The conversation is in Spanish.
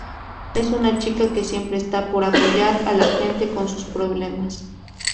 Es una chica que siempre está para apoyar a la gente con sus problemas.